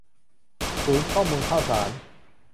ศูนย์ข้อมูลข่าวสาร